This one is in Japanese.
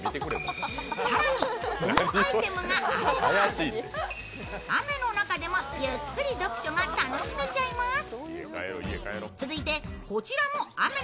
更にこのアイテムがあれば雨の中でもゆっくり読書が楽しめちゃいます。